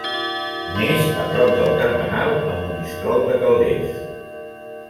Neix a prop del termenal amb Monistrol de Calders.